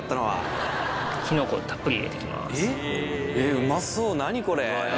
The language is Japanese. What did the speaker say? うまそう何これ。